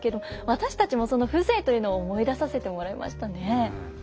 私たちもその風情というのを思い出させてもらいましたね。